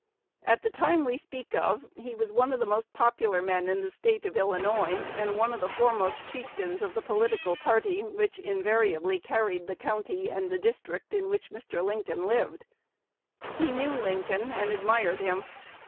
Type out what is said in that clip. At the time we speak of, he was one of the most popular men in the State of Illinois, and was one of the foremost chieftains of the political party which invariably carried the county and the district in which Mr. Lincoln lived. He knew Lincoln, and admired him.